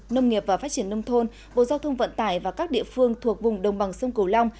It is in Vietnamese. nông nghiệp và phát triển nông thôn bộ giao thông vận tải và các địa phương thuộc vùng đồng bằng sông cửu long